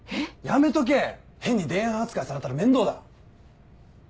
やめとけ変に伝弥派扱いされたら面倒だ。